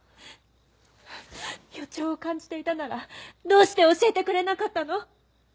予兆を感じていたならどうして教えてくれなかったの？